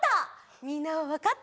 みんなはわかった？